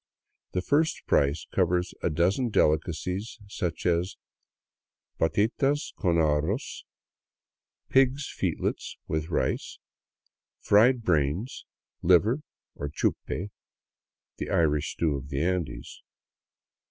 The first price covers a dozen delicacies, such as *' patitas con arroz — pigs* f eetlets with rice," fried brains, liver, or chupe, the Irish stew of the Andes.